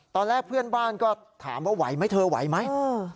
ตอนแรกเพื่อนบ้านก็ถามว่าไหวไหมเธอไหวไหม